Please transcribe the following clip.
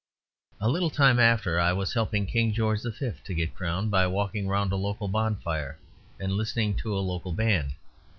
A little time after I was helping King George V to get crowned, by walking round a local bonfire and listening to a local band.